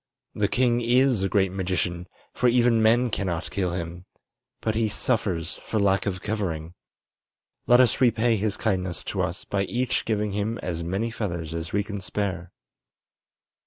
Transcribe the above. The king is a great magician, for even men cannot kill him. But he suffers for lack of covering. Let us repay his kindness to us by each giving him as many feathers as we can spare."